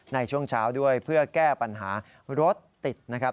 ในช่วงเช้าด้วยเพื่อแก้ปัญหารถติดนะครับ